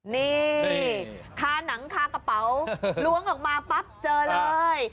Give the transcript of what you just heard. นี่คาหนังคากระเป๋าล้วงออกมาปั๊บเจอเลย